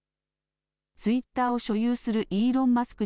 ツイッターを所有するイーロン・マスク